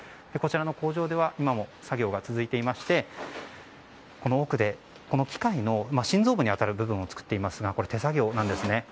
こちらの工場では今も作業が続いていましてこの奥で機械の心臓部にあたる部分を作っていますが手作業なんですね。